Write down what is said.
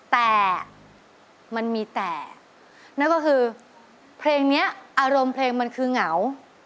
แต่มันมีแต่นั่นก็คือเพลงนี้อารมณ์เพลงมันคือเหงา